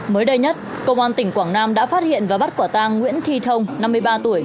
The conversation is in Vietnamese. mới đây nhất công an tỉnh quảng nam đã phát hiện và bắt quả tang nguyễn thi thông năm mươi ba tuổi